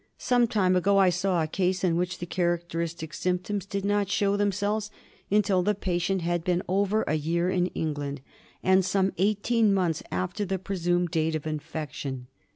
Some time ago I saw a case in which the characteristic symptoms did not show them selves until the patient had been over a year in England, and some eighteen months after the presumed date of infection.